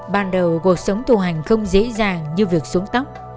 ban đầu cuộc sống tù hành không dễ dàng như việc xuống tóc